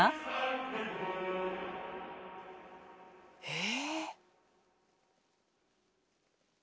え